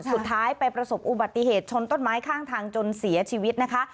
สุดท้ายไปประสบอุบัติเหตุชนต้นไม้ข้างทางจนเสียชีวิตนะคะ